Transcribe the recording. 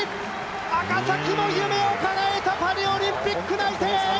赤崎も夢をかなえた、パリオリンピック内定。